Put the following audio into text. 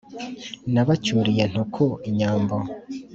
Nabacyuriye Ntuku inyambo.